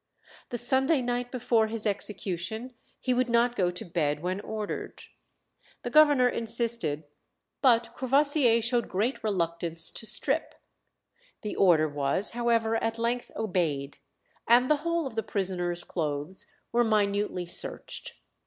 The Sunday night before his execution he would not go to bed when ordered. The governor insisted, but Courvoisier showed great reluctance to strip. The order was, however, at length obeyed, and the whole of the prisoner's clothes were minutely searched.